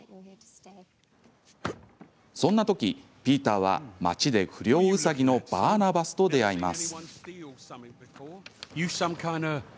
そんなときピーターは街で不良うさぎのバーナバスと出会います。